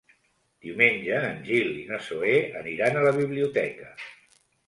Diumenge en Gil i na Zoè aniran a la biblioteca.